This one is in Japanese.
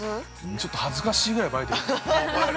◆ちょっと恥ずかしいぐらい映えてる。